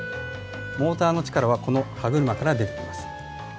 モーターの力はこの歯車から出てきます。